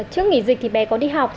trước nghỉ dịch bé có đi học